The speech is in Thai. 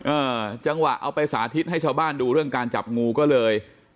เออจังหวะเอาไปสาธิตให้ชาวบ้านดูเรื่องการจับงูก็เลย